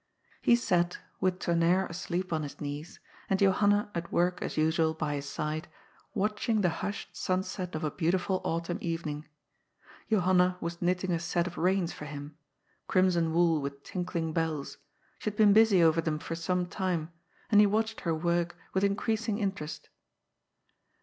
He sat, with Tonnerre asleep on his knees, and Johanna at work as usual, by his side, watching the hushed sunset of a beautiful autumn evening. Johanna was knitting a set of reins for him — crimson wool with tinkling bells ; she had been busy over them for some time, and he watched her work with increasing interest.